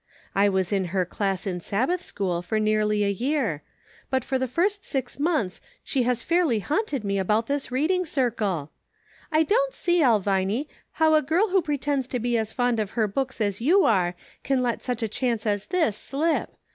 I was in her class in Sabbath school for nearly a year ; but for the last six months she has fairly haunted me about this Reading Circle. ' I don't see, Elviny, how a girl who pretends to be as fond of her books as you are, can let such a chance as this slip.